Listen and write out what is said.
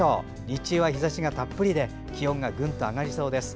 日中は日ざしがたっぷりで気温がぐんと上がりそうです。